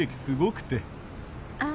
すごくて。